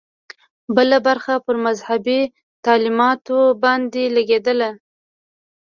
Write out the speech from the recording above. بله برخه پر مذهبي تعلیماتو باندې لګېدله.